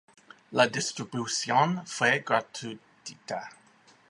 La distribución fue gratuita.